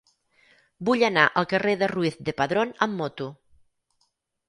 Vull anar al carrer de Ruiz de Padrón amb moto.